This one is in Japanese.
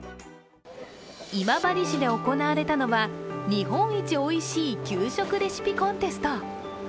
今治市で行われたのは日本一おいしい給食レシピコンテスト。